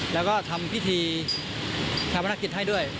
แล้วก็ทำพิธีทำพนักกิจให้ด้วย